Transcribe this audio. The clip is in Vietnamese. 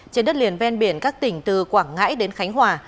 trên đất liền ven biển các tỉnh từ quảng ngãi đến khánh hòa